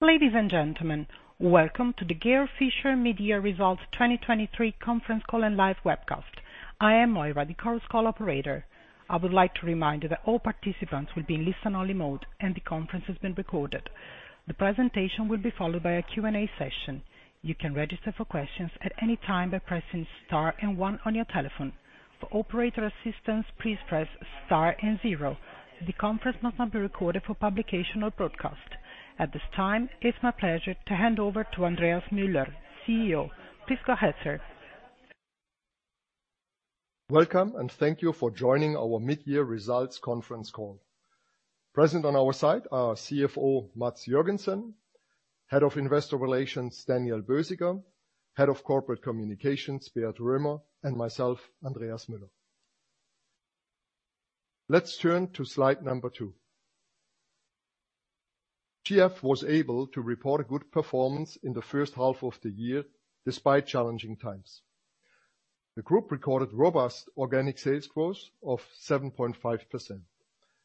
Ladies and gentlemen, welcome to the Georg Fischer Mid-Year Results 2023 conference call and live webcast. I am Moira, the Chorus Call operator. I would like to remind you that all participants will be in listen-only mode, and the conference is being recorded. The presentation will be followed by a Q&A session. You can register for questions at any time by pressing Star and One on your telephone. For operator assistance, please press Star and Zero. The conference must not be recorded for publication or broadcast. At this time, it's my pleasure to hand over to Andreas Müller, CEO. Please go ahead, sir. Welcome. Thank you for joining our mid-year results conference call. Present on our side are CFO, Mads Jørgensen, Head of Investor Relations, Daniel Bösiger, Head of Corporate Communications, Beat Römer, and myself, Andreas Müller. Let's turn to slide number 2. GF was able to report a good performance in the first half of the year, despite challenging times. The group recorded robust organic sales growth of 7.5%.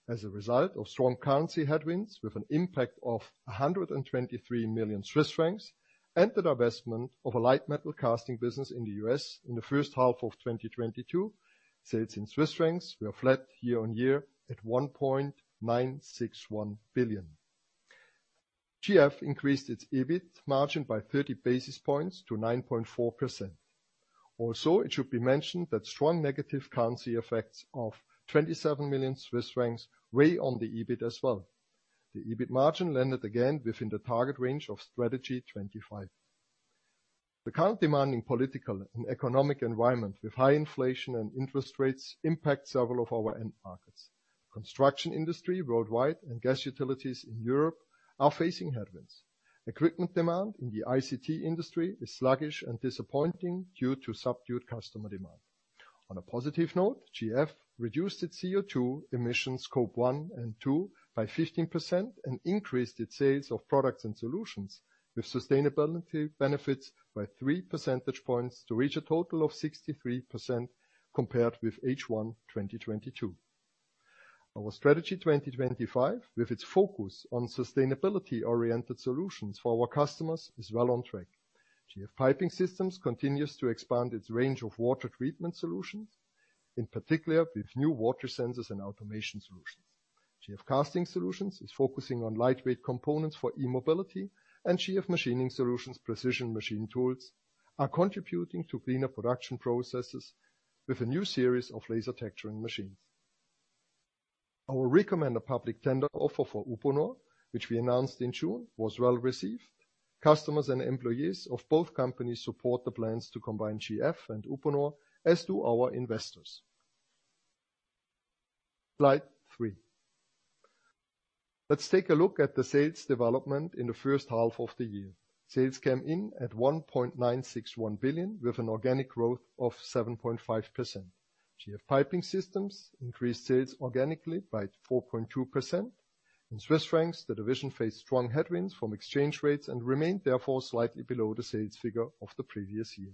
As a result of strong currency headwinds, with an impact of 123 million Swiss francs, and the divestment of a light metal casting business in the U.S. in the first half of 2022, sales in Swiss francs were flat year-on-year at 1.961 billion. GF increased its EBIT margin by 30 basis points to 9.4%. It should be mentioned that strong negative currency effects of 27 million Swiss francs weigh on the EBIT as well. The EBIT margin landed again within the target range of Strategy 2025. The current demanding political and economic environment, with high inflation and interest rates, impact several of our end markets. Construction industry worldwide and gas utilities in Europe are facing headwinds. Equipment demand in the ICT industry is sluggish and disappointing due to subdued customer demand. On a positive note, GF reduced its CO₂ emission Scope 1 and 2 by 15% and increased its sales of products and solutions with sustainability benefits by 3 percentage points to reach a total of 63% compared with H1 2022. Our Strategy 2025, with its focus on sustainability-oriented solutions for our customers, is well on track. GF Piping Systems continues to expand its range of water treatment solutions, in particular, with new water sensors and automation solutions. GF Casting Solutions is focusing on lightweight components for e-mobility, and GF Machining Solutions precision machine tools are contributing to cleaner production processes with a new series of laser texturing machines. Our recommended public tender offer for Uponor, which we announced in June, was well received. Customers and employees of both companies support the plans to combine GF and Uponor, as do our investors. Slide 3. Let's take a look at the sales development in the first half of the year. Sales came in at 1.961 billion, with an organic growth of 7.5%. GF Piping Systems increased sales organically by 4.2%. In Swiss francs, the division faced strong headwinds from exchange rates and remained, therefore, slightly below the sales figure of the previous year.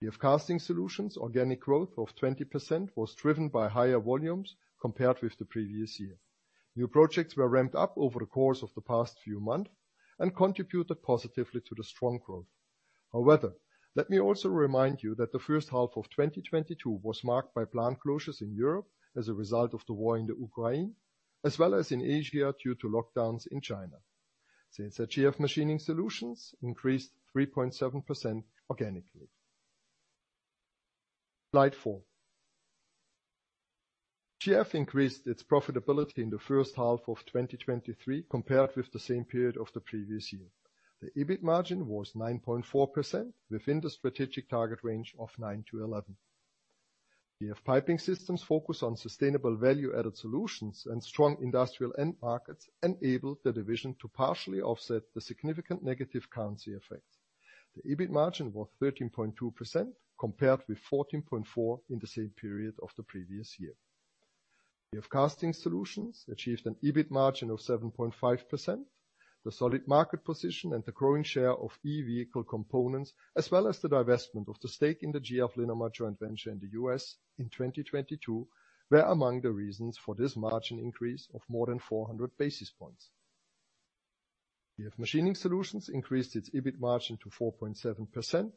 GF Casting Solutions organic growth of 20% was driven by higher volumes compared with the previous year. New projects were ramped up over the course of the past few months and contributed positively to the strong growth. Let me also remind you that the first half of 2022 was marked by plant closures in Europe as a result of the war in Ukraine, as well as in Asia, due to lockdowns in China. Sales at GF Machining Solutions increased 3.7% organically. Slide 4. GF increased its profitability in the first half of 2023 compared with the same period of the previous year. The EBIT margin was 9.4%, within the strategic target range of 9 to 11. GF Piping Systems focus on sustainable value-added solutions and strong industrial end markets enabled the division to partially offset the significant negative currency effects. The EBIT margin was 13.2%, compared with 14.4% in the same period of the previous year. GF Casting Solutions achieved an EBIT margin of 7.5%. The solid market position and the growing share of e-vehicle components, as well as the divestment of the stake in the GF Linamar joint venture in the U.S. in 2022, were among the reasons for this margin increase of more than 400 basis points. GF Machining Solutions increased its EBIT margin to 4.7%.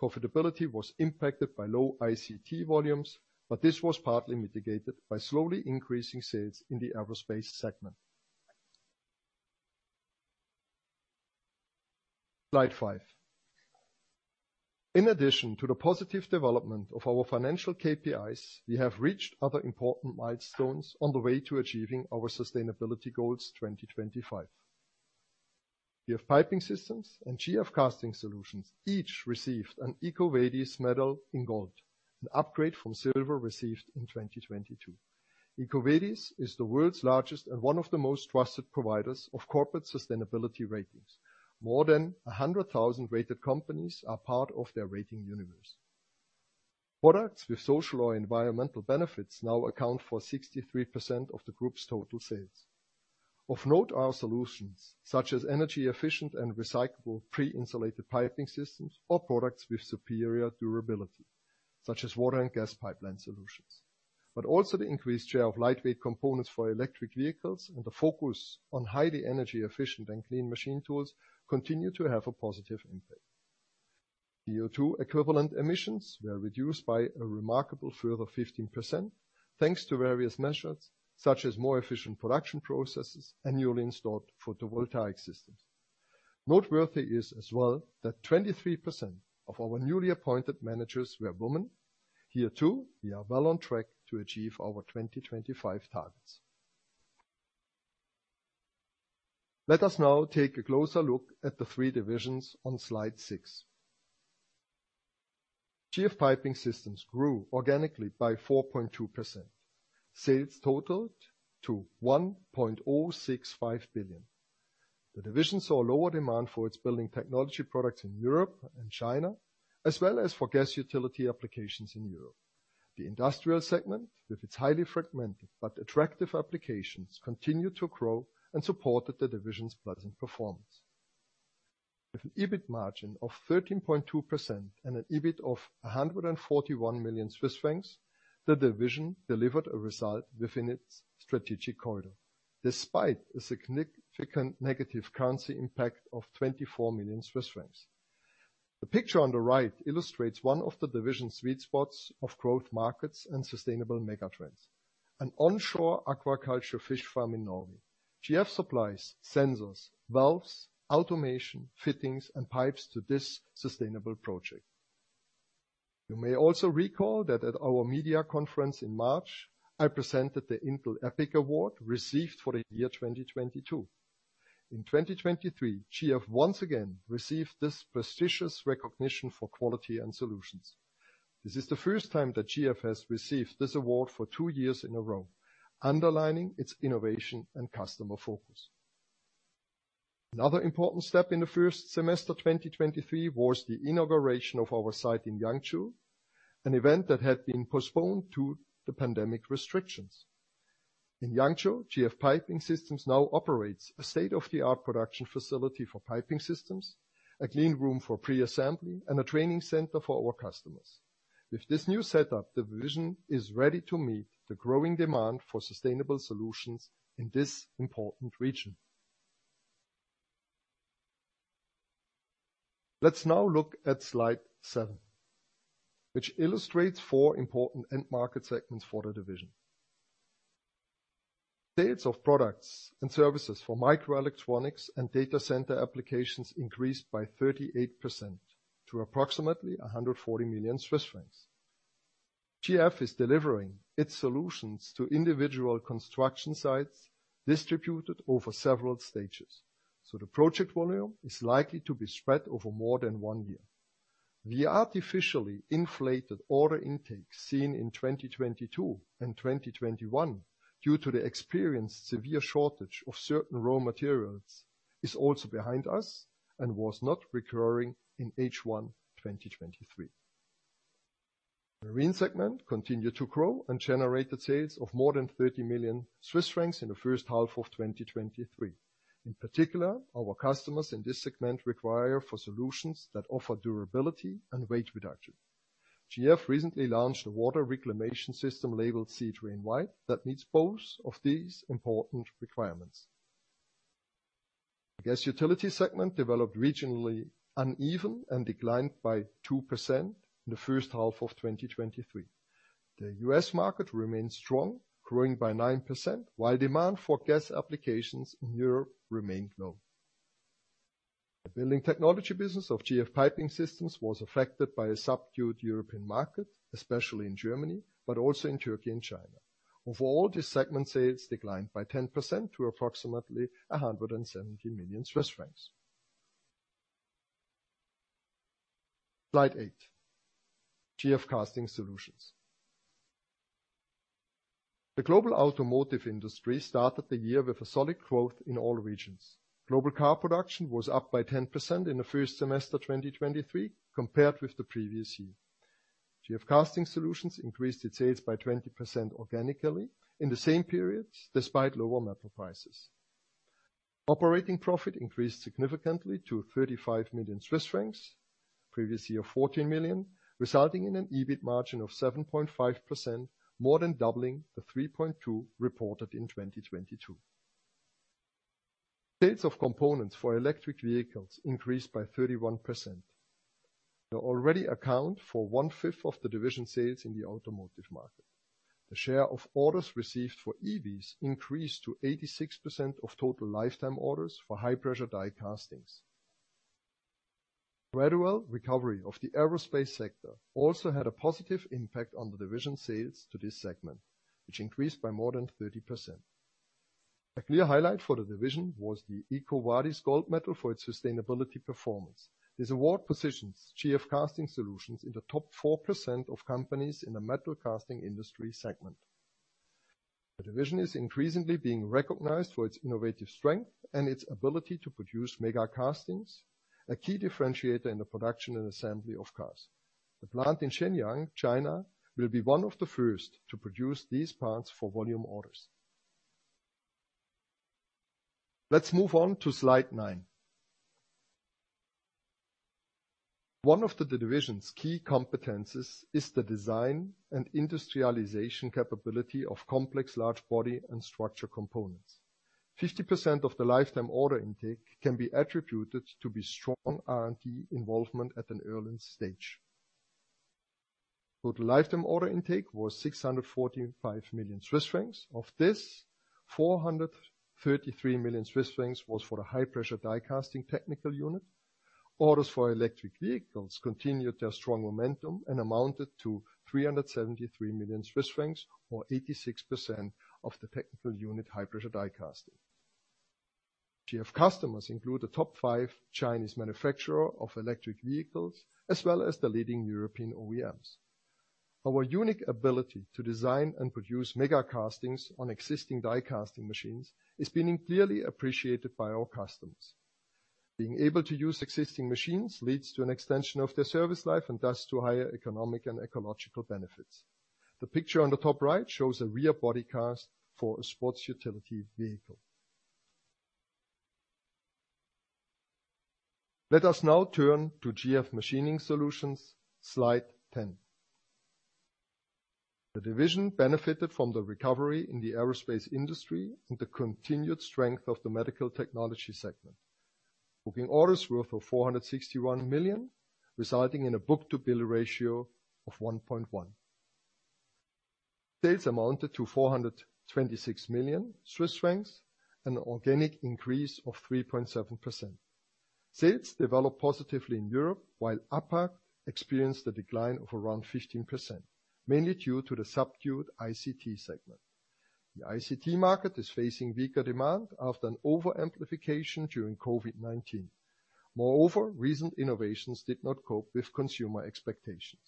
Profitability was impacted by low ICT volumes, but this was partly mitigated by slowly increasing sales in the aerospace segment. Slide 5. In addition to the positive development of our financial KPIs, we have reached other important milestones on the way to achieving our sustainability goals, 2025. GF Piping Systems and GF Casting Solutions each received an EcoVadis medal in gold, an upgrade from silver received in 2022. EcoVadis is the world's largest and one of the most trusted providers of corporate sustainability ratings. More than 100,000 rated companies are part of their rating universe. Products with social or environmental benefits now account for 63% of the group's total sales. Of note are our solutions, such as energy efficient and recyclable pre-insulated piping systems or products with superior durability.... such as water and gas pipeline solutions, but also the increased share of lightweight components for electric vehicles and the focus on highly energy efficient and clean machine tools continue to have a positive impact. CO₂ equivalent emissions were reduced by a remarkable further 15% thanks to various measures, such as more efficient production processes and newly installed photovoltaic systems. Noteworthy is as well that 23% of our newly appointed managers were women. Here, too, we are well on track to achieve our 2025 targets. Let us now take a closer look at the three divisions on slide 6. GF Piping Systems grew organically by 4.2%. Sales totaled to 1.065 billion. The division saw lower demand for its building technology products in Europe and China, as well as for gas utility applications in Europe. The industrial segment, with its highly fragmented but attractive applications, continued to grow and supported the division's pleasant performance. With an EBIT margin of 13.2% and an EBIT of 141 million Swiss francs, the division delivered a result within its strategic corridor, despite a significant negative currency impact of 24 million Swiss francs. The picture on the right illustrates one of the division's sweet spots of growth markets and sustainable mega trends, an onshore aquaculture fish farm in Norway. GF supplies sensors, valves, automation, fittings, and pipes to this sustainable project. You may also recall that at our media conference in March, I presented the Intel EPIC Award received for the year 2022. In 2023, GF once again received this prestigious recognition for quality and solutions. This is the first time that GF has received this award for two years in a row, underlining its innovation and customer focus. Another important step in the first semester, 2023, was the inauguration of our site in Yangzhou, an event that had been postponed due to the pandemic restrictions. In Yangzhou, GF Piping Systems now operates a state-of-the-art production facility for piping systems, a clean room for pre-assembly, and a training center for our customers. With this new setup, the division is ready to meet the growing demand for sustainable solutions in this important region. Let's now look at slide seven, which illustrates four important end market segments for the division. Sales of products and services for microelectronics and data center applications increased by 38% to approximately 140 million Swiss francs. GF is delivering its solutions to individual construction sites distributed over several stages, so the project volume is likely to be spread over more than one year. The artificially inflated order intake seen in 2022 and 2021, due to the experienced severe shortage of certain raw materials, is also behind us and was not recurring in H1 2023. Marine segment continued to grow and generated sales of more than 30 million Swiss francs in the first half of 2023. In particular, our customers in this segment require for solutions that offer durability and weight reduction. GF recently launched a water reclamation system labeled SeaDrain White, that meets both of these important requirements. The gas utility segment developed regionally uneven and declined by 2% in the first half of 2023. The U.S. market remained strong, growing by 9%, while demand for gas applications in Europe remained low. The building technology business of GF Piping Systems was affected by a subdued European market, especially in Germany, but also in Turkey and China. Of all the segment sales declined by 10% to approximately 170 million Swiss francs. Slide 8, GF Casting Solutions. The global automotive industry started the year with a solid growth in all regions. Global car production was up by 10% in the first semester, 2023, compared with the previous year. GF Casting Solutions increased its sales by 20% organically in the same periods, despite lower metal prices. Operating profit increased significantly to 35 million Swiss francs, previous year, 14 million, resulting in an EBIT margin of 7.5%, more than doubling the 3.2% reported in 2022. Sales of components for electric vehicles increased by 31%. They already account for one-fifth of the division sales in the automotive market. The share of orders received for EVs increased to 86% of total lifetime orders for high-pressure die castings. Gradual recovery of the aerospace sector also had a positive impact on the division sales to this segment, which increased by more than 30%. A clear highlight for the division was the EcoVadis gold medal for its sustainability performance. This award positions GF Casting Solutions in the top 4% of companies in the metal casting industry segment. The division is increasingly being recognized for its innovative strength and its ability to produce mega castings, a key differentiator in the production and assembly of cars. The plant in Shenyang, China, will be one of the first to produce these parts for volume orders. Let's move on to slide 9. One of the division's key competencies is the design and industrialization capability of complex large body and structure components. 50% of the lifetime order intake can be attributed to the strong R&D involvement at an early stage. Total lifetime order intake was 645 million Swiss francs. Of this, 433 million Swiss francs was for a high-pressure die casting technical unit. Orders for electric vehicles continued their strong momentum and amounted to 373 million Swiss francs, or 86% of the technical unit high-pressure die casting. GF customers include the top 5 Chinese manufacturer of electric vehicles, as well as the leading European OEMs. Our unique ability to design and produce mega castings on existing die casting machines is being clearly appreciated by our customers. Being able to use existing machines leads to an extension of their service life, and thus, to higher economic and ecological benefits. The picture on the top right shows a rear body cast for a sports utility vehicle. Let us now turn to GF Machining Solutions, slide 10. The division benefited from the recovery in the aerospace industry and the continued strength of the medical technology segment. Booking orders worth of 461 million, resulting in a book-to-bill ratio of 1.1. Sales amounted to 426 million Swiss francs, an organic increase of 3.7%. Sales developed positively in Europe, while APAC experienced a decline of around 15%, mainly due to the subdued ICT segment. The ICT market is facing weaker demand after an overamplification during COVID-19. Moreover, recent innovations did not cope with consumer expectations.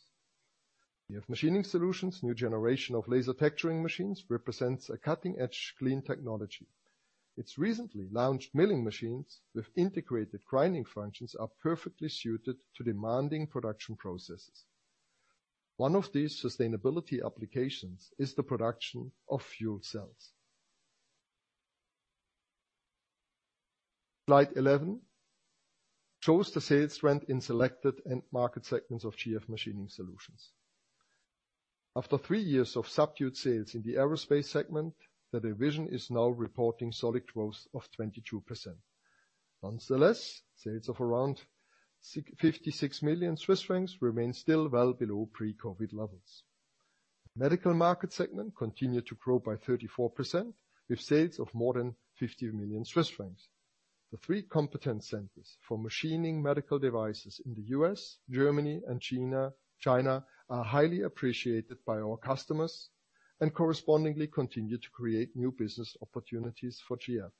GF Machining Solutions' new generation of laser texturing machines represents a cutting-edge clean technology. Its recently launched milling machines with integrated grinding functions are perfectly suited to demanding production processes. One of these sustainability applications is the production of fuel cells. Slide 11 shows the sales trend in selected end market segments of GF Machining Solutions. After three years of subdued sales in the aerospace segment, the division is now reporting solid growth of 22%. Nonetheless, sales of around 56 million Swiss francs remain still well below pre-COVID levels. Medical market segment continued to grow by 34%, with sales of more than 50 million Swiss francs. The three competence centers for machining medical devices in the US, Germany, and China are highly appreciated by our customers, and correspondingly continue to create new business opportunities for GF.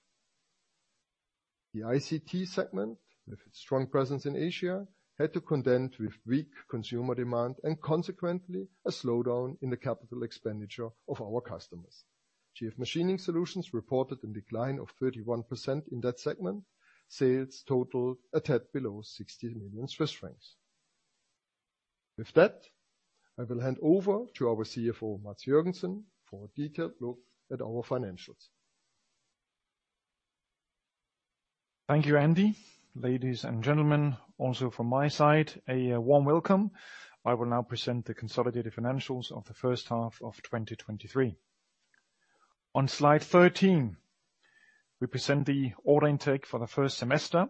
The ICT segment, with its strong presence in Asia, had to contend with weak consumer demand and consequently a slowdown in the capital expenditure of our customers. GF Machining Solutions reported a decline of 31% in that segment. Sales totaled a tad below 60 million Swiss francs. With that, I will hand over to our CFO, Mads Jørgensen, for a detailed look at our financials. Thank you, Andy. Ladies and gentlemen, from my side, a warm welcome. I will now present the consolidated financials of the first half of 2023. On slide 13, we present the order intake for the first semester.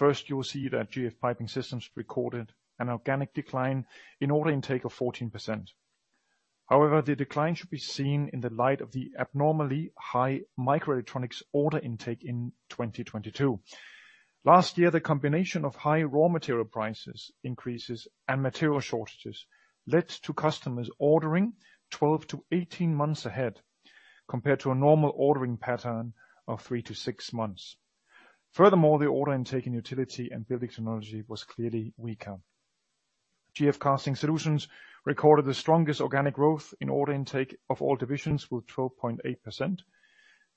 You will see that GF Piping Systems recorded an organic decline in order intake of 14%. The decline should be seen in the light of the abnormally high microelectronics order intake in 2022. Last year, the combination of high raw material prices increases and material shortages led to customers ordering 12 to 18 months ahead, compared to a normal ordering pattern of 3 to 6 months. The order intake in utility and building technology was clearly weaker. GF Casting Solutions recorded the strongest organic growth in order intake of all divisions, with 12.8%.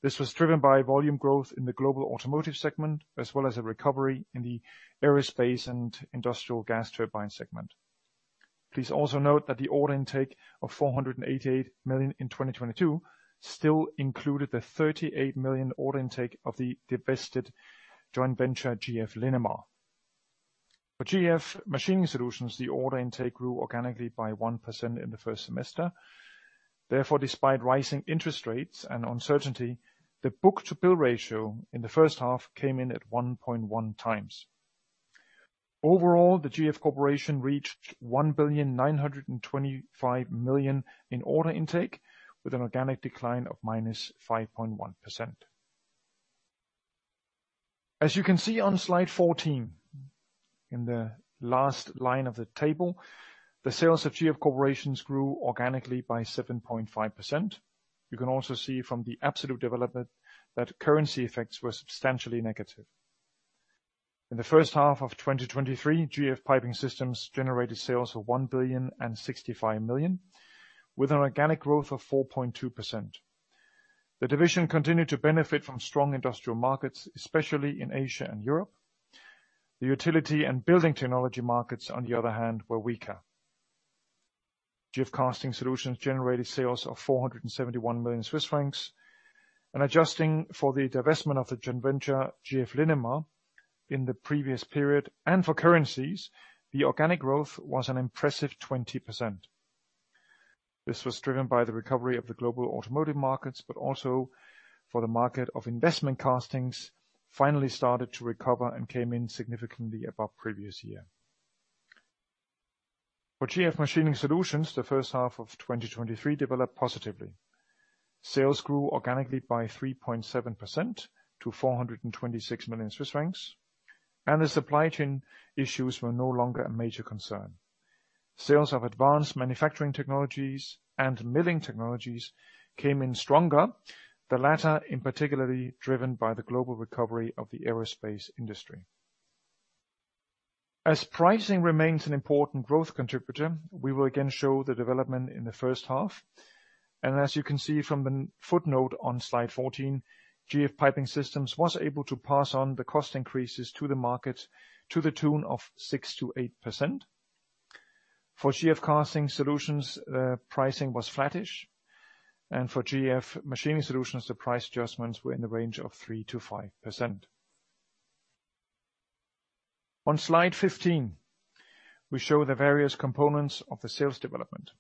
This was driven by volume growth in the global automotive segment, as well as a recovery in the aerospace and industrial gas turbine segment. Please also note that the order intake of 488 million in 2022 still included the 38 million order intake of the divested joint venture, GF Linamar. For GF Machining Solutions, the order intake grew organically by 1% in the first semester. Despite rising interest rates and uncertainty, the book-to-bill ratio in the first half came in at 1.1 times. Overall, the GF Corporation reached 1,925 million in order intake, with an organic decline of -5.1%. As you can see on slide 14, in the last line of the table, the sales of GF Corporations grew organically by 7.5%. You can also see from the absolute development that currency effects were substantially negative. In the first half of 2023, GF Piping Systems generated sales of 1.065 billion, with an organic growth of 4.2%. The division continued to benefit from strong industrial markets, especially in Asia and Europe. The utility and building technology markets, on the other hand, were weaker. GF Casting Solutions generated sales of 471 million Swiss francs. Adjusting for the divestment of the joint venture, GF Linamar, in the previous period, and for currencies, the organic growth was an impressive 20%. This was driven by the recovery of the global automotive markets, but also for the market of investment castings, finally started to recover and came in significantly above previous year. For GF Machining Solutions, the first half of 2023 developed positively. Sales grew organically by 3.7% to 426 million Swiss francs. The supply chain issues were no longer a major concern. Sales of advanced manufacturing technologies and milling technologies came in stronger, the latter, in particular, driven by the global recovery of the aerospace industry. As pricing remains an important growth contributor, we will again show the development in the first half. As you can see from the footnote on slide 14, GF Piping Systems was able to pass on the cost increases to the market to the tune of 6%-8%. For GF Casting Solutions, pricing was flattish, and for GF Machining Solutions, the price adjustments were in the range of 3%-5%. On slide 15, we show the various components of the sales development.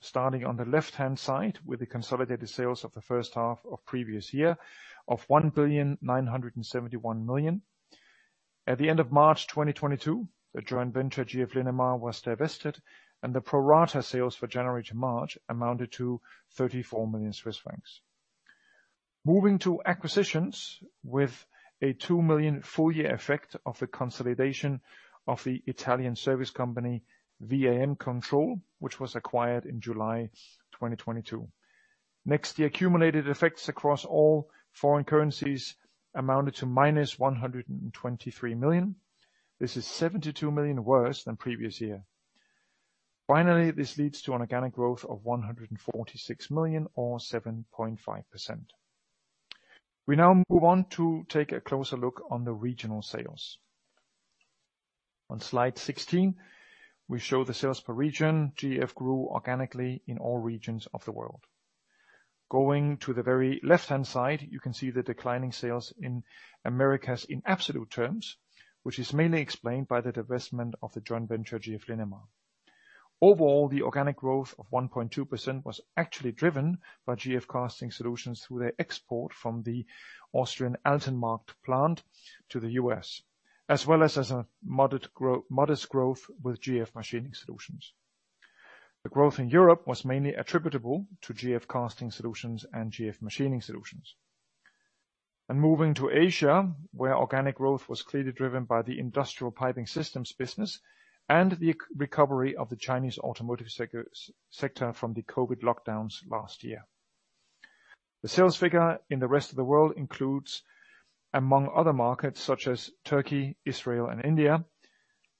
Starting on the left-hand side with the consolidated sales of the first half of previous year, of 1,971 million. At the end of March 2022, the joint venture, GF Linamar, was divested, and the pro rata sales for January to March amounted to 34 million Swiss francs. Moving to acquisitions with a 2 million full year effect of the consolidation of the Italian service company, VAM Control, which was acquired in July 2022. Next, the accumulated effects across all foreign currencies amounted to -123 million. This is 72 million worse than previous year. Finally, this leads to an organic growth of 146 million, or 7.5%. We now move on to take a closer look on the regional sales. On slide 16, we show the sales per region. GF grew organically in all regions of the world. Going to the very left-hand side, you can see the declining sales in Americas in absolute terms, which is mainly explained by the divestment of the joint venture, GF Linamar. Overall, the organic growth of 1.2% was actually driven by GF Casting Solutions, through their export from the Austrian Altenmarkt plant to the US, as well as a modest growth with GF Machining Solutions. The growth in Europe was mainly attributable to GF Casting Solutions and GF Machining Solutions. Moving to Asia, where organic growth was clearly driven by the industrial piping systems business and the e- recovery of the Chinese automotive sector from the COVID lockdowns last year. The sales figure in the rest of the world includes, among other markets, such as Turkey, Israel, and India.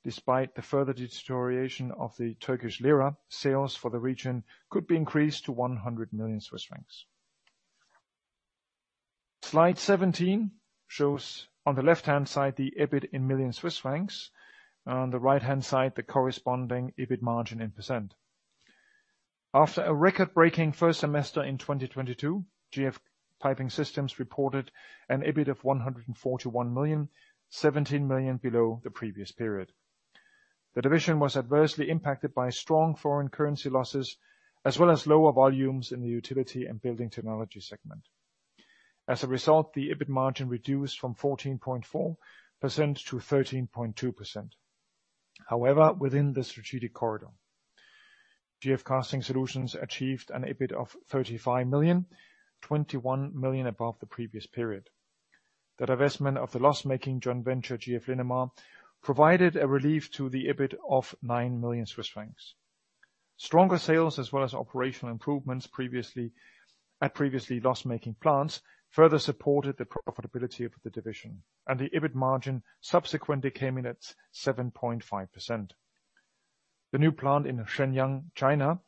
Despite the further deterioration of the Turkish lira, sales for the region could be increased to 100 million. Slide 17 shows, on the left-hand side, the EBIT in million Swiss francs, on the right-hand side, the corresponding EBIT margin in %. After a record-breaking first semester in 2022, GF Piping Systems reported an EBIT of 141 million, 17 million below the previous period. The division was adversely impacted by strong foreign currency losses, as well as lower volumes in the utility and building technology segment. As a result, the EBIT margin reduced from 14.4% to 13.2%. Within the strategic corridor, GF Casting Solutions achieved an EBIT of 35 million, 21 million above the previous period. The divestment of the loss-making joint venture, GF Linamar, provided a relief to the EBIT of 9 million Swiss francs. Stronger sales, as well as operational improvements at previously loss-making plants, further supported the profitability of the division, and the EBIT margin subsequently came in at 7.5%. The new plant in Shenyang, China,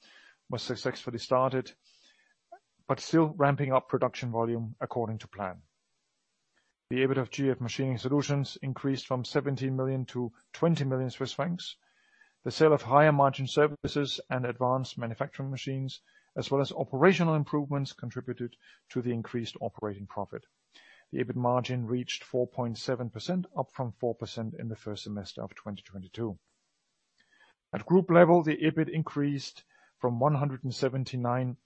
was successfully started, but still ramping up production volume according to plan. The EBIT of GF Machining Solutions increased from 17 million to 20 million Swiss francs. The sale of higher-margin services and advanced manufacturing machines, as well as operational improvements, contributed to the increased operating profit. The EBIT margin reached 4.7%, up from 4% in the first semester of 2022. At group level, the EBIT increased from 179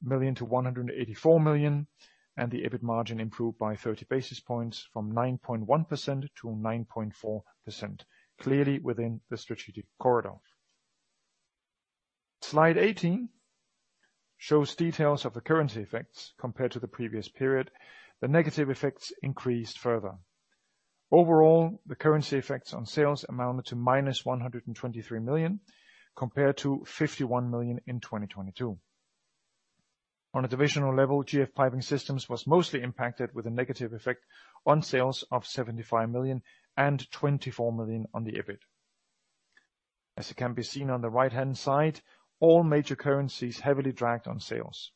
million to 184 million, and the EBIT margin improved by 30 basis points, from 9.1% to 9.4%, clearly within the strategic corridor. Slide 18 shows details of the currency effects compared to the previous period. The negative effects increased further. Overall, the currency effects on sales amounted to minus 123 million, compared to 51 million in 2022. On a divisional level, GF Piping Systems was mostly impacted with a negative effect on sales of 75 million and 24 million on the EBIT. As it can be seen on the right-hand side, all major currencies heavily dragged on sales.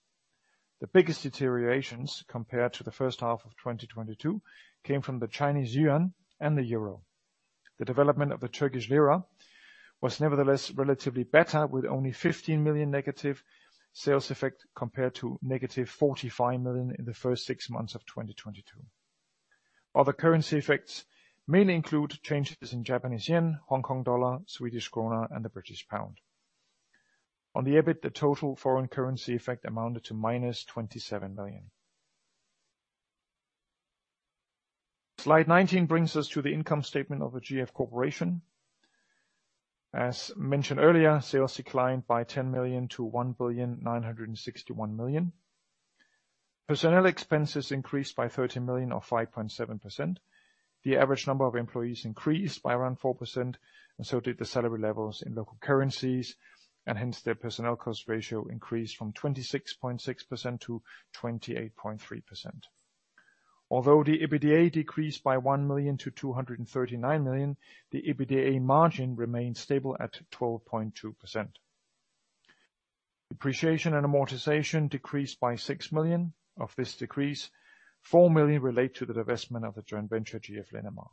The biggest deteriorations compared to the first half of 2022, came from the Chinese yuan and the euro. The development of the Turkish lira was nevertheless relatively better, with only 15 million negative sales effect, compared to negative 45 million in the first six months of 2022. Other currency effects mainly include changes in Japanese yen, Hong Kong dollar, Swedish krona, and the British pound. On the EBIT, the total foreign currency effect amounted to minus 27 million. Slide 19 brings us to the income statement of the GF Corporation. As mentioned earlier, sales declined by 10 million to 1,961 million. Personnel expenses increased by 13 million, or 5.7%. The average number of employees increased by around 4%, and so did the salary levels in local currencies, and hence, their personnel cost ratio increased from 26.6% to 28.3%. Although the EBITDA decreased by 1 million to 239 million, the EBITDA margin remained stable at 12.2%. Depreciation and amortization decreased by 6 million. Of this decrease, 4 million relate to the divestment of the joint venture, GF Linamar.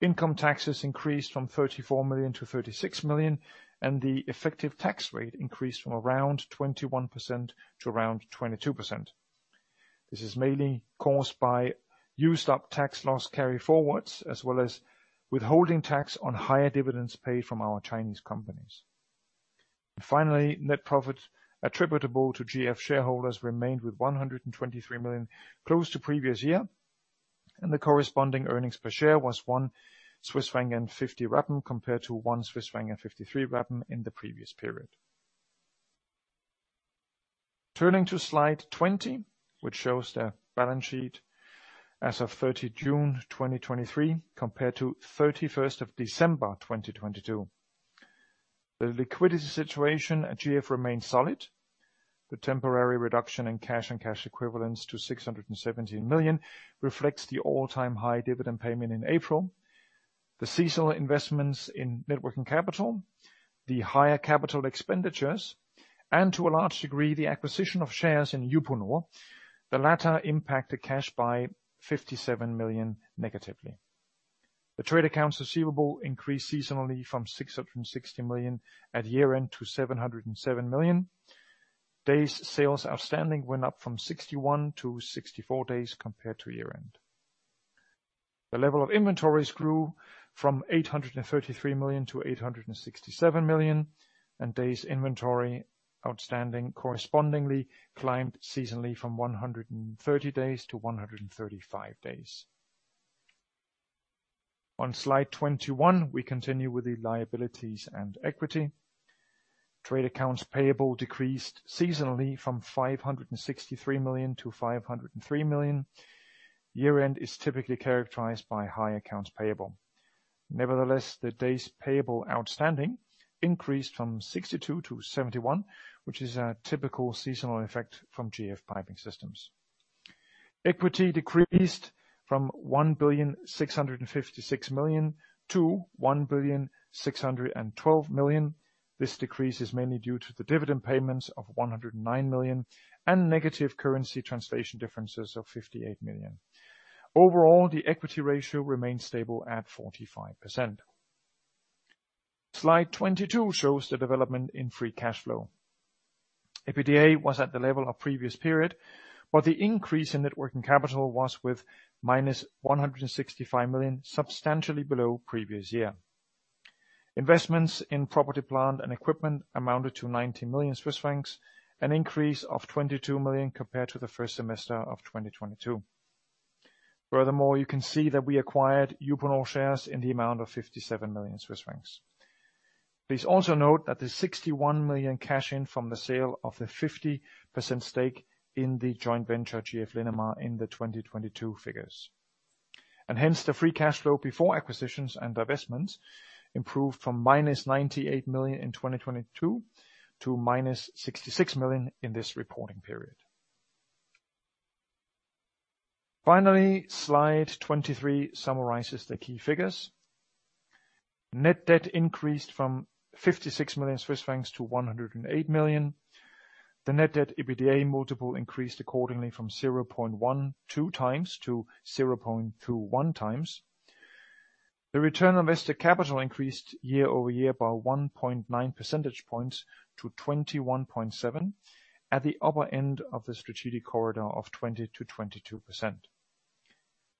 Income taxes increased from 34 million to 36 million, and the effective tax rate increased from around 21% to around 22%. This is mainly caused by used up tax loss carryforwards, as well as withholding tax on higher dividends paid from our Chinese companies. Finally, net profits attributable to GF shareholders remained with 123 million, close to previous year, and the corresponding earnings per share was 1 Swiss franc and 50 Rappen, compared to 1 Swiss franc and 53 Rappen in the previous period. Turning to slide 20, which shows the balance sheet as of June 30, 2023, compared to December 31, 2022. The liquidity situation at GF remains solid. The temporary reduction in cash and cash equivalents to 617 million reflects the all-time high dividend payment in April, the seasonal investments in net working capital, the higher capital expenditures, and to a large degree, the acquisition of shares in Uponor, the latter impacted cash by 57 million negatively. The trade accounts receivable increased seasonally from 660 million at year-end to 707 million. Days Sales Outstanding went up from 61 to 64 days compared to year-end. The level of inventories grew from 833 million to 867 million, and Days Inventory Outstanding correspondingly climbed seasonally from 130 days to 135 days. On Slide 21, we continue with the liabilities and equity. Trade accounts payable decreased seasonally from 563 million to 503 million. Year-end is typically characterized by high accounts payable. The Days Payable Outstanding increased from 62 to 71, which is a typical seasonal effect from GF Piping Systems. Equity decreased from 1,656 million to 1,612 million. This decrease is mainly due to the dividend payments of 109 million, and negative currency translation differences of 58 million. Overall, the equity ratio remains stable at 45%. Slide 22 shows the development in free cash flow. EBITDA was at the level of previous period, the increase in net working capital was with -165 million, substantially below previous year. Investments in property, plant, and equipment amounted to 90 million Swiss francs, an increase of 22 million compared to the first semester of 2022. Furthermore, you can see that we acquired Uponor shares in the amount of 57 million Swiss francs. Please also note that the 61 million cash-in from the sale of the 50% stake in the joint venture, GF Linamar, in the 2022 figures. Hence, the free cash flow before acquisitions and divestments improved from -98 million in 2022 to -66 million in this reporting period. Finally, slide 23 summarizes the key figures. Net debt increased from 56 million Swiss francs to 108 million. The net debt, EBITDA multiple increased accordingly from 0.12x to 0.21x. The return on invested capital increased year-over-year by 1.9 percentage points to 21.7%, at the upper end of the strategic corridor of 20%-22%.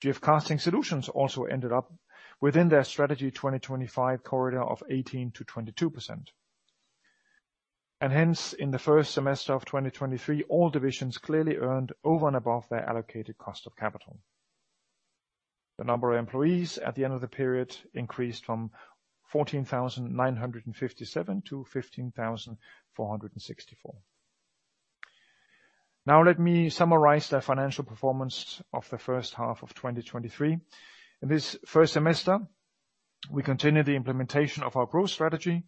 GF Casting Solutions also ended up within their Strategy 2025 corridor of 18%-22%. Hence, in the first semester of 2023, all divisions clearly earned over and above their allocated cost of capital. The number of employees at the end of the period increased from 14,957 to 15,464. Let me summarize the financial performance of the first half of 2023. This first semester, we continued the implementation of our growth strategy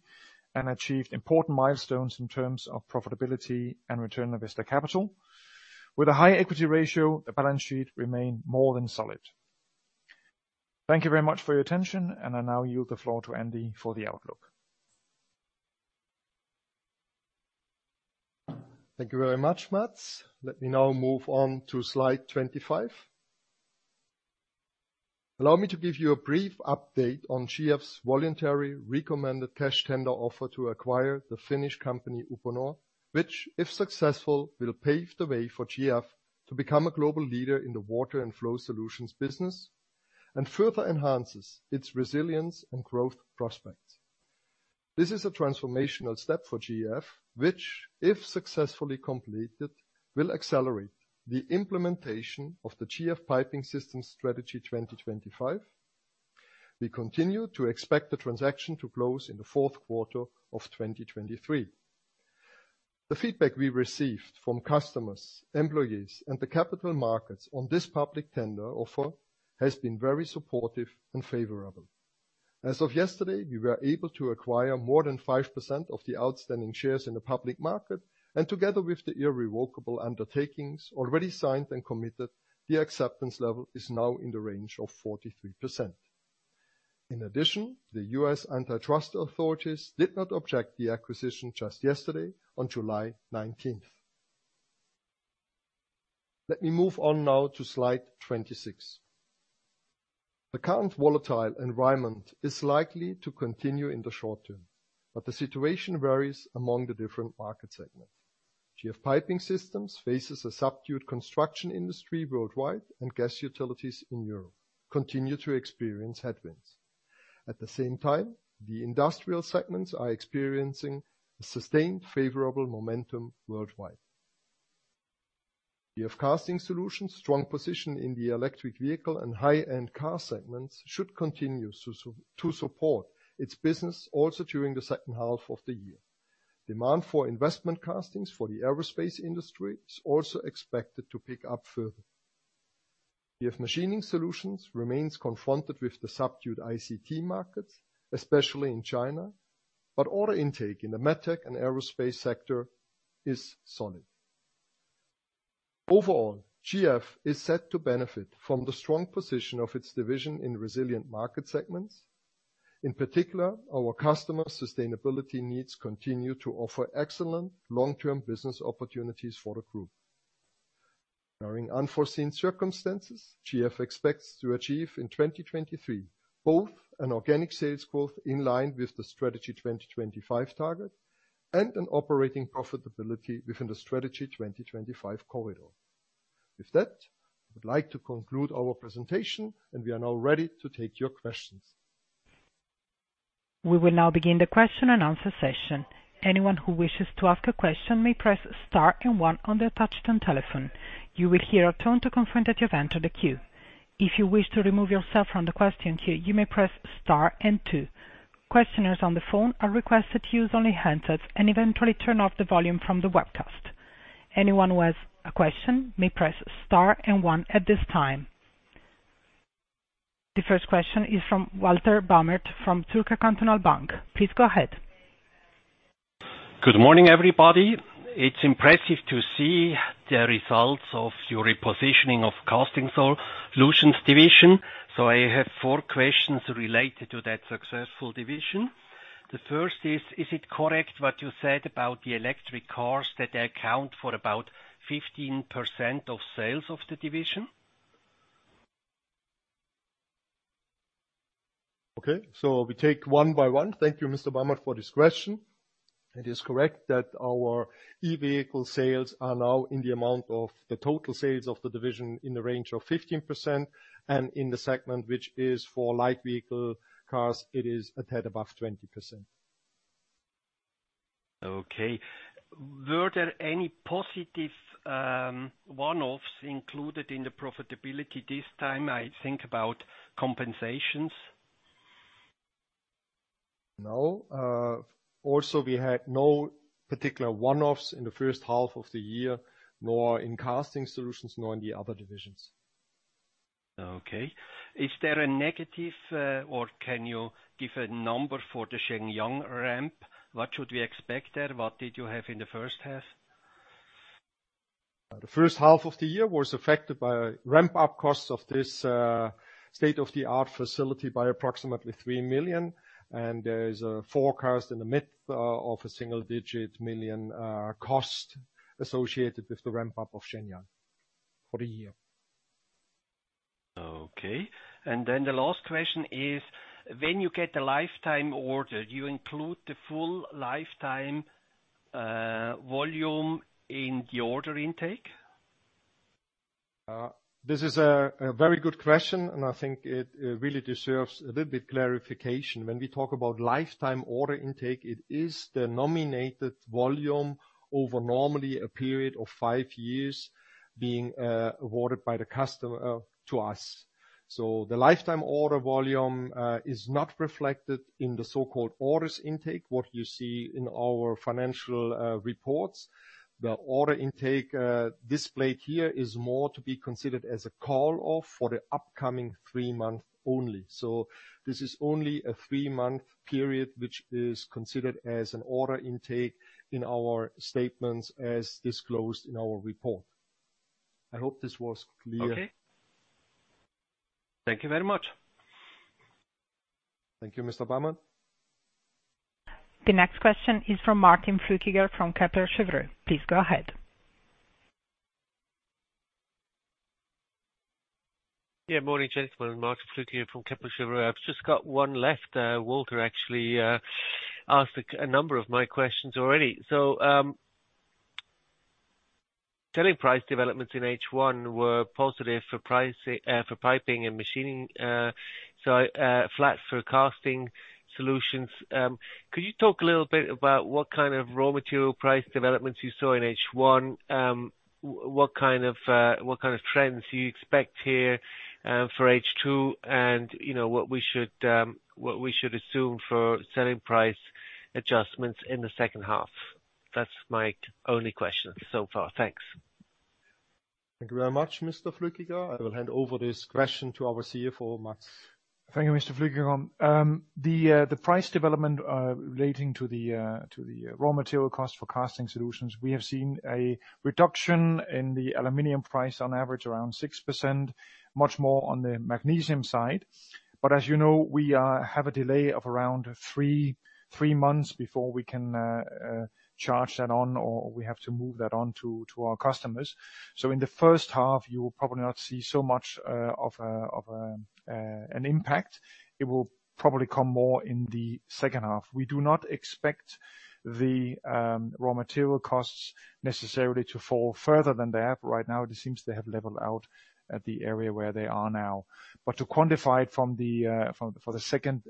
and achieved important milestones in terms of profitability and return on invested capital. With a high equity ratio, the balance sheet remained more than solid. Thank you very much for your attention, and I now yield the floor to Andy for the outlook. Thank you very much, Mads. Let me now move on to slide 25. Allow me to give you a brief update on GF's voluntary recommended cash tender offer to acquire the Finnish company, Uponor, which, if successful, will pave the way for GF to become a global leader in the water and flow solutions business, and further enhances its resilience and growth prospects. This is a transformational step for GF, which, if successfully completed, will accelerate the implementation of the GF Piping Systems Strategy 2025. We continue to expect the transaction to close in the fourth quarter of 2023. The feedback we received from customers, employees, and the capital markets on this public tender offer has been very supportive and favorable. As of yesterday, we were able to acquire more than 5% of the outstanding shares in the public market, and together with the irrevocable undertakings already signed and committed, the acceptance level is now in the range of 43%. In addition, the U.S. antitrust authorities did not object the acquisition just yesterday on July 19th. Let me move on now to slide 26. The current volatile environment is likely to continue in the short term, but the situation varies among the different market segments. GF Piping Systems faces a subdued construction industry worldwide, and gas utilities in Europe continue to experience headwinds. At the same time, the industrial segments are experiencing a sustained favorable momentum worldwide. GF Casting Solutions' strong position in the electric vehicle and high-end car segments should continue to support its business also during the second half of the year. Demand for investment castings for the aerospace industry is also expected to pick up further. GF Machining Solutions remains confronted with the subdued ICT market, especially in China, but order intake in the MedTech and aerospace sector is solid. Overall, GF is set to benefit from the strong position of its division in resilient market segments. In particular, our customer sustainability needs continue to offer excellent long-term business opportunities for the group. Barring unforeseen circumstances, GF expects to achieve in 2023, both an organic sales growth in line with the Strategy 2025 target and an operating profitability within the Strategy 2025 corridor. With that, I would like to conclude our presentation, and we are now ready to take your questions. We will now begin the question and answer session. Anyone who wishes to ask a question may press star and one on the touch-tone telephone. You will hear a tone to confirm that you've entered the queue. If you wish to remove yourself from the question queue, you may press star and two. Questioners on the phone are requested to use only handsets and eventually turn off the volume from the webcast. Anyone who has a question may press star and one at this time. The first question is from Walter Bamert from Zürcher Kantonalbank. Please go ahead. Good morning, everybody. It's impressive to see the results of your repositioning of Casting Solutions division. I have 4 questions related to that successful division. The first is it correct what you said about the electric cars, that they account for about 15% of sales of the division? Okay, we take one by one. Thank you, Mr. Bamert, for this question. It is correct that our e-vehicle sales are now in the amount of the total sales of the division in the range of 15%, and in the segment, which is for light vehicle cars, it is a tad above 20%. Okay. Were there any positive, one-offs included in the profitability this time? I think about compensations. No. Also, we had no particular one-offs in the first half of the year, nor in Casting Solutions, nor in the other divisions. Okay. Is there a negative, or can you give a number for the Shenyang ramp? What should we expect there? What did you have in the first half? The first half of the year was affected by ramp-up costs of this state-of-the-art facility by approximately 3 million, and there is a forecast in the mid of a single-digit million cost associated with the ramp-up of Shenyang for a year. Okay. Then the last question is: when you get a lifetime order, do you include the full lifetime volume in the order intake? This is a very good question, and I think it really deserves a little bit clarification. When we talk about lifetime order intake, it is the nominated volume over normally a period of 5 years being awarded by the customer to us. The lifetime order volume is not reflected in the so-called orders intake, what you see in our financial reports. The order intake displayed here is more to be considered as a call-off for the upcoming 3 months only. This is only a 3-month period, which is considered as an order intake in our statements, as disclosed in our report. I hope this was clear. Okay. Thank you very much. Thank you, Mr. Bamert. The next question is from Martin Flückiger, from Kepler Cheuvreux. Please go ahead. Morning, gentlemen. Martin Flückiger from Kepler Cheuvreux. I've just got one left, Walter actually asked a number of my questions already. Selling price developments in H1 were positive for price for piping and machining, flat for casting solutions. Could you talk a little bit about what kind of raw material price developments you saw in H1? What kind of trends do you expect here for H2? You know, what we should assume for selling price adjustments in the second half? That's my only question so far. Thanks. Thank you very much, Mr. Flückiger. I will hand over this question to our CFO, Mads. Thank you, Mr. Flückiger. The price development relating to the raw material cost for casting solutions, we have seen a reduction in the aluminum price, on average, around 6%, much more on the magnesium side. As you know, we have a delay of around 3 months before we can charge that on, or we have to move that on to our customers. In the first half, you will probably not see so much of an impact. It will probably come more in the second half. We do not expect the raw material costs necessarily to fall further than they have. Right now, it seems they have leveled out at the area where they are now. To quantify it from the, from, for the second,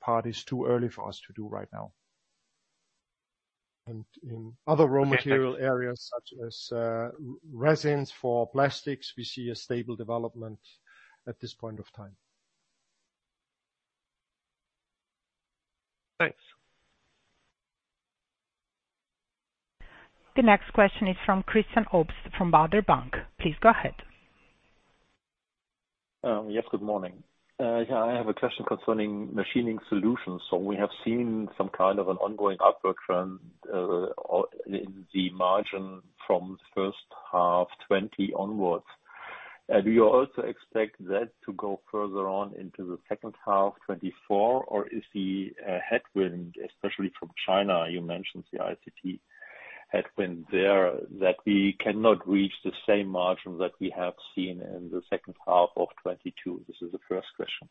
part is too early for us to do right now. In other raw material areas, such as resins for plastics, we see a stable development at this point of time. Thanks. The next question is from Christian Obst, from Baader Bank. Please go ahead. Yes, good morning. I have a question concerning Machining Solutions. We have seen some kind of an ongoing upward trend, or in the margin from the first half 2020 onwards. Do you also expect that to go further on into the second half 2024? Is the headwind, especially from China, you mentioned the ICT headwind there, that we cannot reach the same margin that we have seen in the second half of 2022? This is the first question.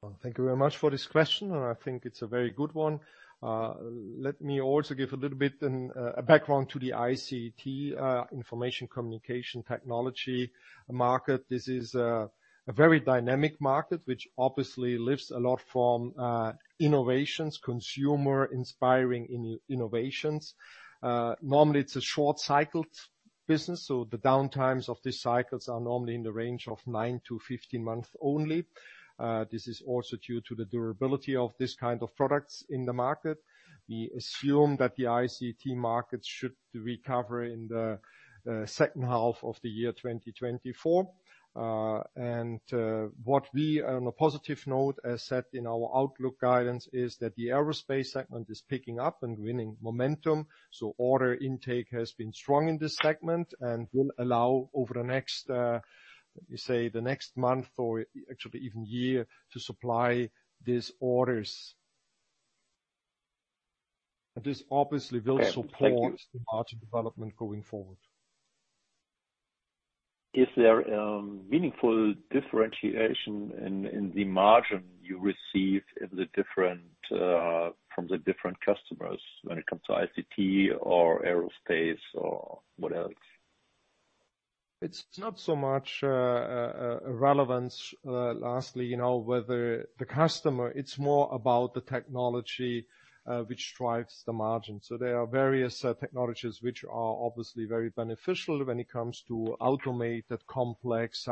Well, thank you very much for this question, and I think it's a very good one. Let me also give a little bit a background to the ICT, Information Communication Technology market. This is a very dynamic market, which obviously lives a lot from innovations, consumer-inspiring innovations. Normally, it's a short-cycled business, so the downtimes of these cycles are normally in the range of 9 to 15 months only. This is also due to the durability of this kind of products in the market. We assume that the ICT market should recover in the second half of the year 2024. What we, on a positive note, as said in our outlook guidance, is that the aerospace segment is picking up and winning momentum, so order intake has been strong in this segment and will allow over the next, let me say, the next month or actually even year, to supply these orders. This obviously will support- Thank you.... the margin development going forward. Is there meaningful differentiation in the margin you receive from the different customers when it comes to ICT or aerospace or what else? It's not so much relevance, lastly, you know, whether the customer. It's more about the technology, which drives the margin. There are various technologies which are obviously very beneficial when it comes to automated, complex,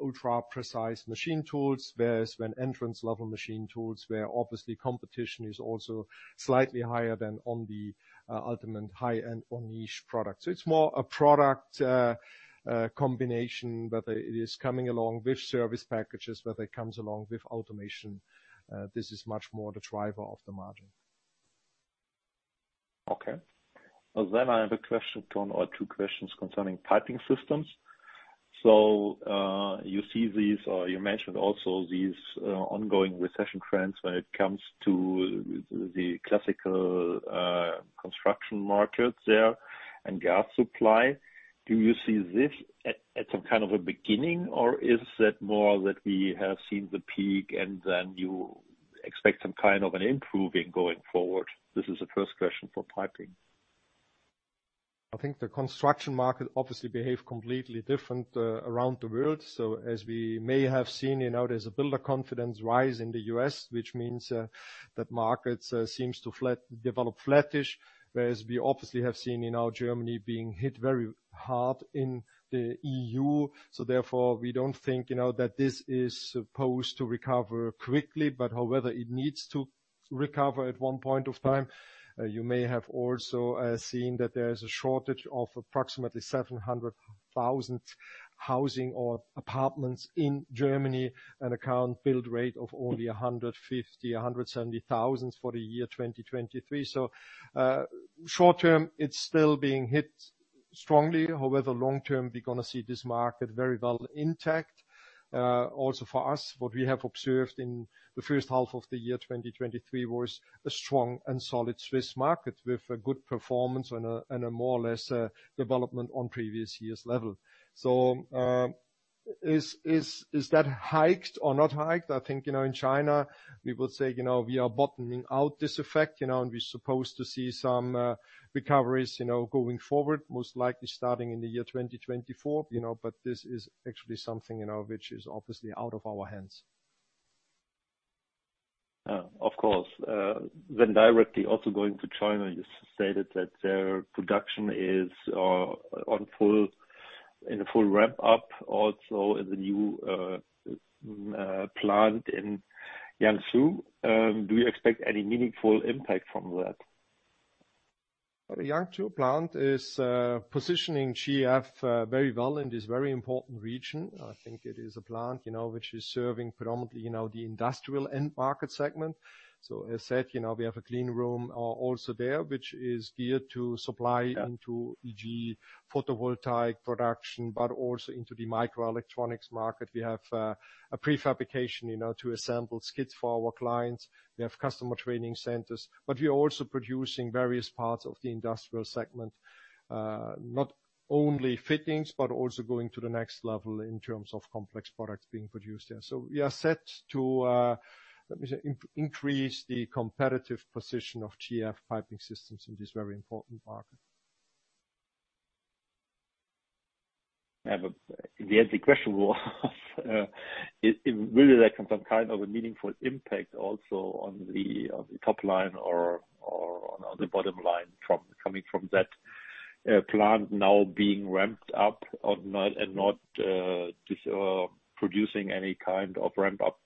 ultra-precise machine tools, whereas when entrance-level machine tools, where obviously competition is also slightly higher than on the ultimate high-end or niche product. It's more a product combination, whether it is coming along with service packages, whether it comes along with automation, this is much more the driver of the margin. I have a question, one or two questions concerning Piping Systems. You see these, or you mentioned also these ongoing recession trends when it comes to the classical construction markets there and gas supply. Do you see this at some kind of a beginning, or is that more that we have seen the peak and then you expect some kind of an improving going forward? This is the first question for Piping. I think the construction market obviously behave completely different around the world. As we may have seen, you know, there's a builder confidence rise in the US, which means that markets seems to develop flattish. We obviously have seen, you know, Germany being hit very hard in the EU, we don't think, you know, that this is supposed to recover quickly, it needs to recover at one point of time. You may have also seen that there is a shortage of approximately 700,000 housing or apartments in Germany, and account build rate of only 150,000, 170,000 for the year 2023. Short term, it's still being hit strongly, however, long term, we're gonna see this market very well intact. Also for us, what we have observed in the first half of the year, 2023, was a strong and solid Swiss market, with a good performance and a, and a more or less development on previous years' level. Is that hiked or not hiked? I think, you know, in China, we will say, you know, we are bottoming out this effect, you know, and we're supposed to see some recoveries, you know, going forward, most likely starting in the year 2024, you know, but this is actually something, you know, which is obviously out of our hands. Of course. Directly also going to China, you stated that their production is on full, in a full ramp up, also in the new plant in Yangzhou. Do you expect any meaningful impact from that? The Yangzhou plant is positioning GF very well in this very important region. I think it is a plant, you know, which is serving predominantly, you know, the industrial end market segment. As said, you know, we have a clean room also there, which is geared to supply into, e.g., photovoltaic production, but also into the microelectronics market. We have a prefabrication, you know, to assemble skids for our clients. We have customer training centers, but we are also producing various parts of the industrial segment, not only fittings, but also going to the next level in terms of complex products being produced there. We are set to, let me say, increase the competitive position of GF Piping Systems in this very important market. The actual question was, will there come some kind of a meaningful impact also on the top line or on the bottom line from, coming from that plant now being ramped up or not, and not just producing any kind of ramp-up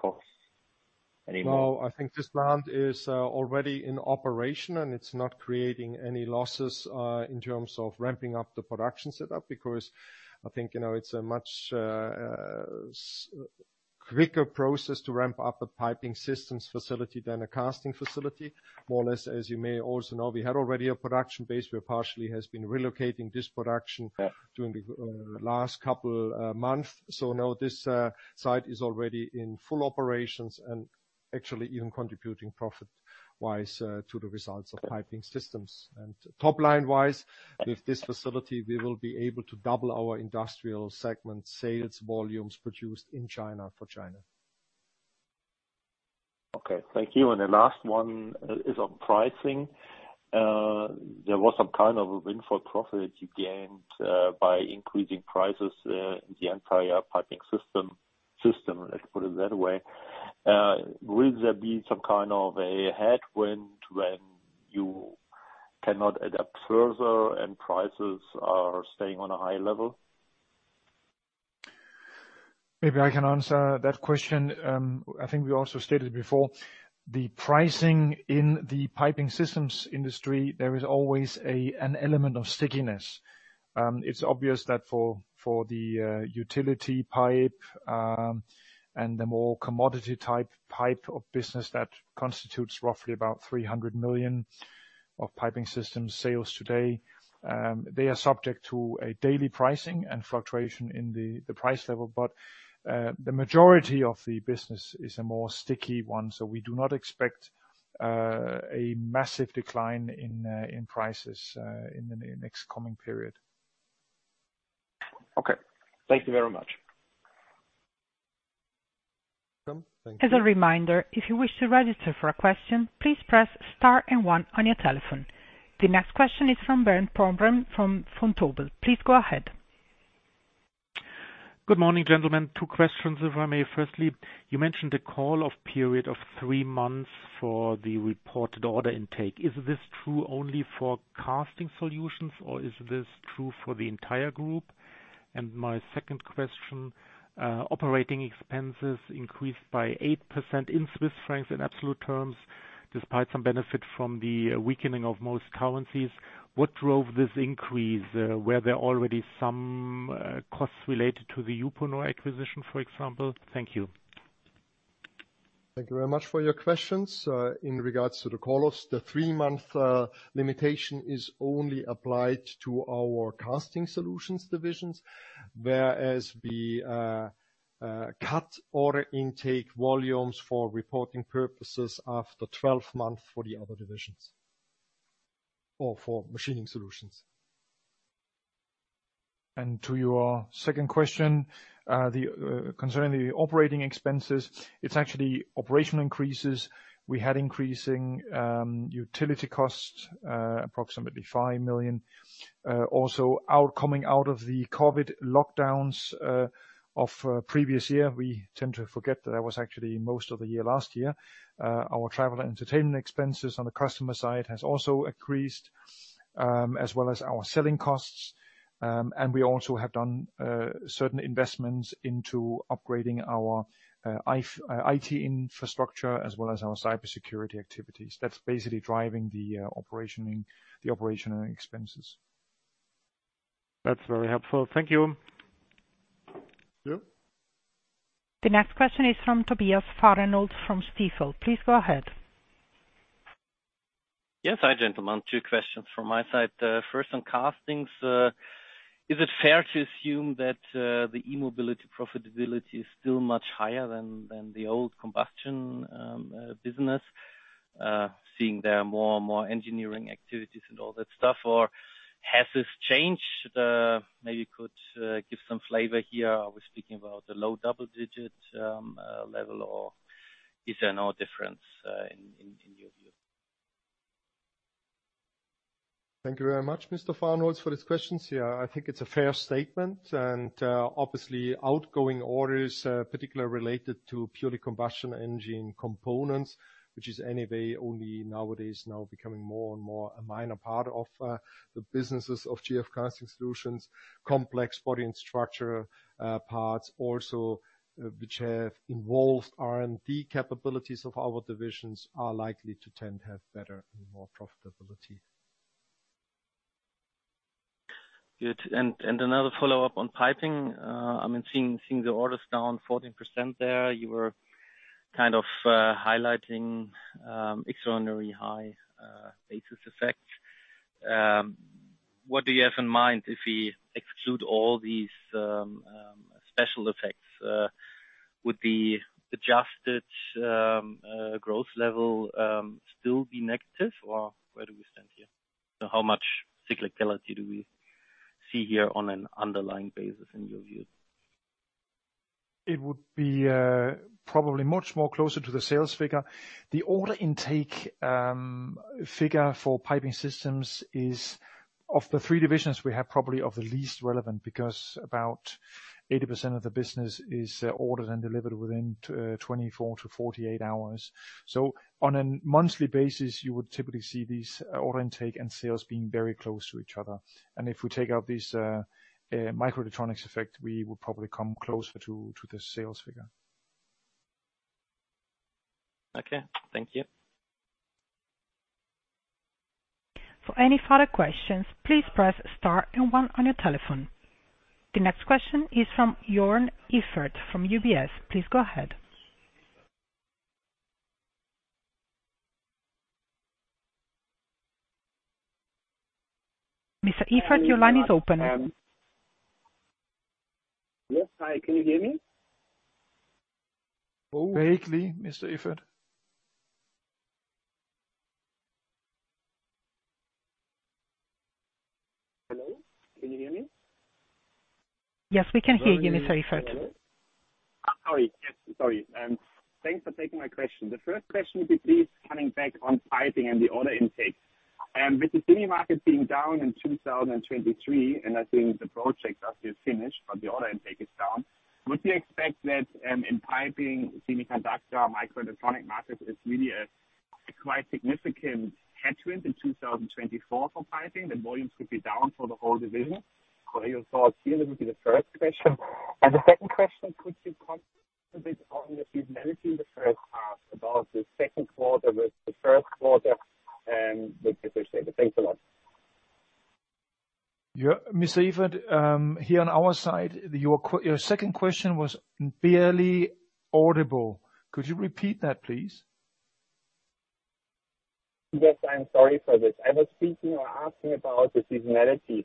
costs anymore? No, I think this plant is already in operation, and it's not creating any losses in terms of ramping up the production setup, because I think, you know, it's a much quicker process to ramp up a piping systems facility than a casting facility. More or less, as you may also know, we had already a production base. We partially has been relocating this production-. Yeah... during the last couple months. Now this site is already in full operations and actually even contributing profit-wise to the results of Piping Systems. Top line-wise, with this facility, we will be able to double our industrial segment sales volumes produced in China for China. Okay, thank you. The last one is on pricing. There was some kind of a windfall profit you gained by increasing prices in the entire piping system, let's put it that way. Will there be some kind of a headwind when you cannot adapt further, and prices are staying on a high level? Maybe I can answer that question. I think we also stated before, the pricing in the piping systems industry, there is always an element of stickiness. It's obvious that for the utility pipe and the more commodity-type pipe of business, that constitutes roughly about 300 million of piping systems sales today, they are subject to a daily pricing and fluctuation in the price level. The majority of the business is a more sticky one, so we do not expect a massive decline in prices in the next coming period. Okay. Thank you very much. Thank you. As a reminder, if you wish to register for a question, please press star and one on your telephone. The next question is from Bernd Pomrehn from Vontobel. Please go ahead. Good morning, gentlemen. Two questions, if I may. Firstly, you mentioned the call-off period of 3 months for the reported order intake. Is this true only for casting solutions, or is this true for the entire group? My second question. OpEx increased by 8% in CHF in absolute terms, despite some benefit from the weakening of most currencies. What drove this increase? Were there already some costs related to the Uponor acquisition, for example? Thank you. Thank you very much for your questions. In regards to the call-offs, the 3-month limitation is only applied to our Casting Solutions divisions, whereas we cut order intake volumes for reporting purposes after 12 months for the other divisions or for Machining Solutions. To your second question, concerning the operating expenses, it's actually operational increases. We had increasing utility costs, approximately 5 million. Also, coming out of the COVID lockdowns of previous year, we tend to forget that there was actually most of the year last year. Our travel and entertainment expenses on the customer side has also increased, as well as our selling costs. We also have done certain investments into upgrading our IT infrastructure, as well as our cybersecurity activities. That's basically driving the operational expenses. That's very helpful. Thank you. The next question is from Tobias Fahrenholz from Stifel. Please go ahead. Yes. Hi, gentlemen. Two questions from my side. First, on castings, is it fair to assume that the e-mobility profitability is still much higher than the old combustion, business, seeing there are more and more engineering activities and all that stuff, or has this changed? Maybe you could give some flavor here. Are we speaking about the low double digit, level, or is there no difference, in your view? Thank you very much, Mr. Fahrenholz, for these questions. Yeah, I think it's a fair statement, and obviously, outgoing orders, particularly related to purely combustion engine components, which is anyway only nowadays now becoming more and more a minor part of the businesses of GF Casting Solutions. Complex body and structure parts also, which have involved R&D capabilities of our divisions, are likely to tend to have better and more profitability. Good. Another follow-up on piping. I mean, seeing the orders down 14% there, you were kind of highlighting extraordinary high basis effect. What do you have in mind if we exclude all these special effects? Would the adjusted growth level still be negative, or where do we stand here? How much cyclicity do we see here on an underlying basis, in your view? It would be, probably much more closer to the sales figure. The order intake figure for Piping Systems is, of the three divisions we have, probably of the least relevant, because about 80% of the business is ordered and delivered within 24-48 hours. On a monthly basis, you would typically see these order intake and sales being very close to each other. If we take out these microelectronics effect, we will probably come closer to the sales figure. Okay, thank you. For any further questions, please press star and One on your telephone. The next question is from Joern Iffert from UBS. Please go ahead. Mr. Iffert, your line is open. Yes. Hi, can you hear me? Vaguely, Mr. Iffert. Hello? Can you hear me? Yes, we can hear you, Mr. Iffert. Sorry, thanks for taking my question. The first question would be coming back on Piping and the order intake. With the semi market being down in 2023, and I think the projects are still finished, but the order intake is down, would you expect that, in Piping, semiconductor, microelectronic markets is really a quite significant headwind in 2024 for Piping? The volumes could be down for the whole division. Your thoughts here, this will be the first question. The second question, could you comment a bit on the seasonality in the first half, about the second quarter with the first quarter, would be appreciated. Thanks a lot. Yeah. Mr. Iffert, here on our side, your second question was barely audible. Could you repeat that, please? Yes, I am sorry for this. I was speaking or asking about the seasonality.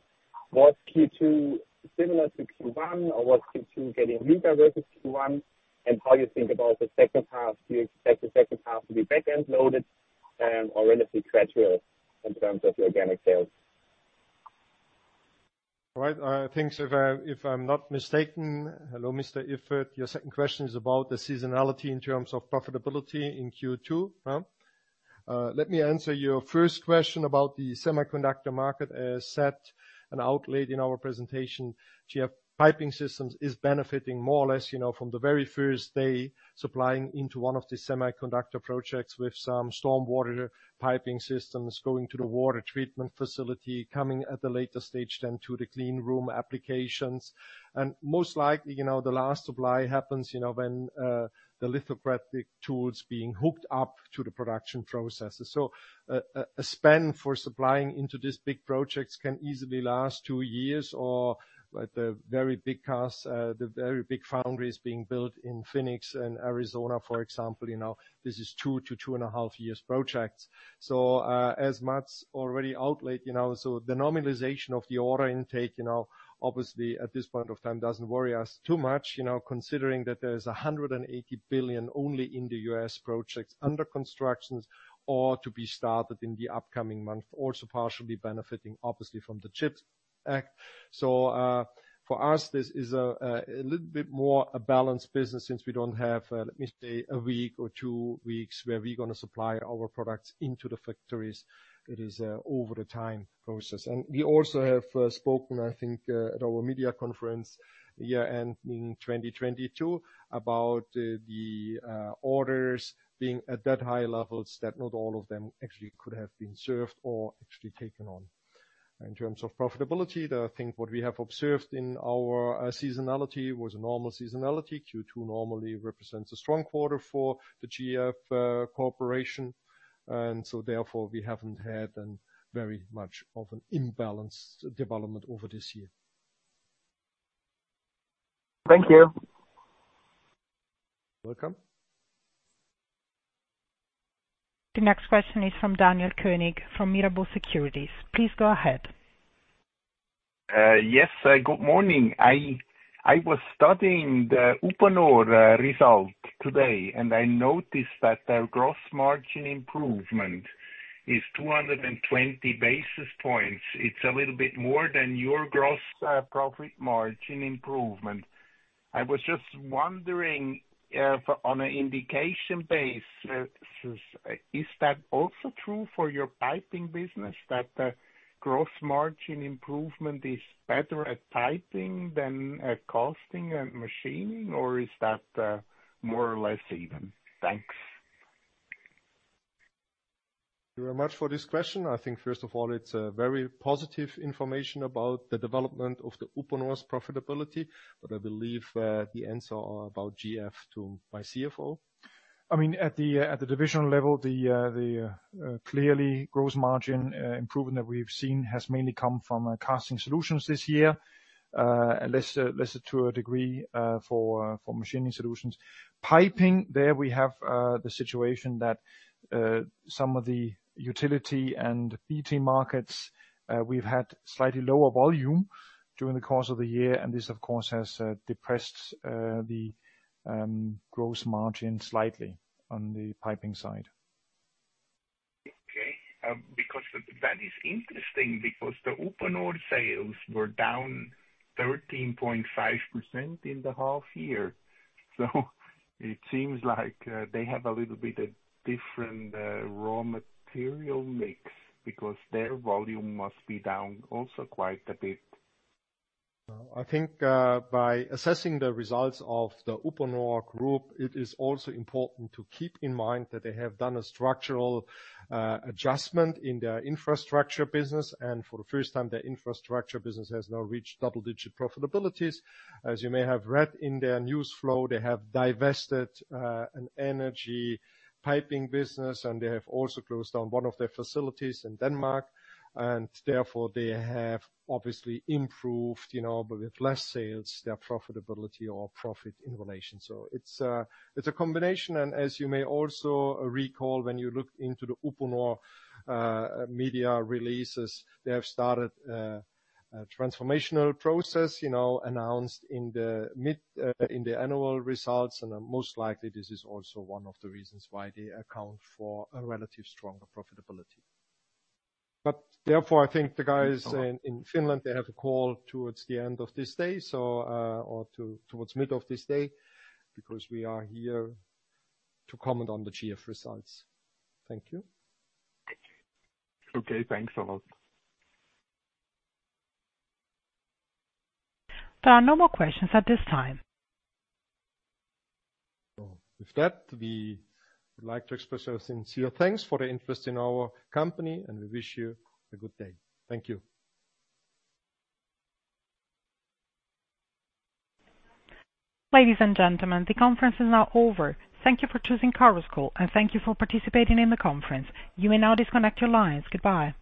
Was Q2 similar to Q1, or was Q2 getting weaker versus Q1, and how you think about the second half? Do you expect the second half to be back-end loaded, or relatively gradual in terms of the organic sales? All right. I think if I'm not mistaken, hello, Mr. Iffert, your second question is about the seasonality in terms of profitability in Q2, huh? Let me answer your first question about the semiconductor market. As said and outlaid in our presentation, GF Piping Systems is benefiting more or less, you know, from the very first day, supplying into one of the semiconductor projects with some stormwater piping systems going to the water treatment facility, coming at the later stage, then, to the clean room applications. Most likely, you know, the last supply happens, you know, when the lithographic tool is being hooked up to the production processes. A spend for supplying into these big projects can easily last 2 years or, like the very big costs, the very big foundries being built in Phoenix and Arizona, for example, this is 2 to 2.5 years projects. As Mads already outlaid, the normalization of the order intake obviously at this point of time doesn't worry us too much, considering that there is $180 billion only in the US projects under constructions or to be started in the upcoming month, also partially benefiting obviously from the CHIPS Act. For us, this is a little bit more a balanced business, since we don't have, let me say, a week or 2 weeks where we're gonna supply our products into the factories. It is a over the time process. We also have spoken, I think, at our media conference, year ending 2022, about the orders being at that high levels, that not all of them actually could have been served or actually taken on. In terms of profitability, I think what we have observed in our seasonality was a normal seasonality. Q2 normally represents a strong quarter for the GF Corporation, therefore, we haven't had an very much of an imbalance development over this year. Thank you! Welcome. The next question is from Daniel Koenig, from Mirabaud Securities. Please go ahead. Yes, good morning. I was studying the Uponor result today, and I noticed that their gross margin improvement is 220 basis points. It's a little bit more than your gross profit margin improvement. I was just wondering, on an indication base, is that also true for your piping business, that the gross margin improvement is better at piping than at casting and machining, or is that more or less even? Thanks. Thank you very much for this question. I think first of all, it's a very positive information about the development of the Uponor's profitability, but I believe, the answer are about GF to my CFO. I mean, at the divisional level, the clearly gross margin improvement that we've seen has mainly come from Casting Solutions this year, less to a degree for Machining Solutions. Piping, there we have the situation that some of the utility and heating markets we've had slightly lower volume during the course of the year, and this, of course, has depressed the gross margin slightly on the Piping side. Because that is interesting because the Uponor sales were down 13.5% in the half year. It seems like they have a little bit of different raw material mix, because their volume must be down also quite a bit. I think, by assessing the results of the Uponor Group, it is also important to keep in mind that they have done a structural adjustment in their infrastructure business. For the first time, their infrastructure business has now reached double-digit profitabilities. As you may have read in their news flow, they have divested an energy piping business, and they have also closed down one of their facilities in Denmark. Therefore, they have obviously improved, you know, but with less sales, their profitability or profit in relation. It's a combination, and as you may also recall, when you look into the Uponor media releases, they have started a transformational process, you know, announced in the annual results. Most likely, this is also one of the reasons why they account for a relative stronger profitability. Therefore, I think the guys in Finland, they have a call towards the end of this day, so, or towards middle of this day, because we are here to comment on the GF results. Thank you. Okay, thanks a lot. There are no more questions at this time. With that, we would like to express our sincere thanks for the interest in our company, and we wish you a good day. Thank you. Ladies and gentlemen, the conference is now over. Thank you for choosing Chorus Call, and thank you for participating in the conference. You may now disconnect your lines. Goodbye.